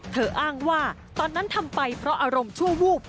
อ้างว่าตอนนั้นทำไปเพราะอารมณ์ชั่ววูบ